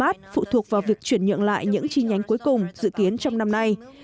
các cửa hàng e mart phụ thuộc vào việc chuyển nhượng lại những chi nhánh cuối cùng dự kiến trong năm nay